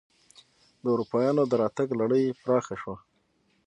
د اروپایانو دراتګ لړۍ پراخه شوه.